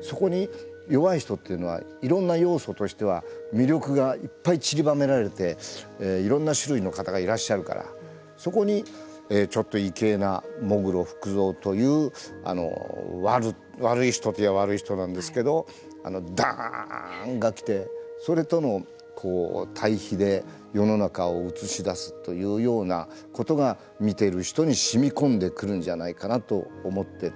そこに弱い人というのはいろんな要素としては魅力がいっぱいちりばめられていろんな種類の方がいらっしゃるからそこにちょっと異型な喪黒福造という悪い人といえば悪い人なんですけどあのドーンが来てそれとの対比で世の中を写し出すというようなことが見てる人にしみこんでくるんじゃないかなと思ってて。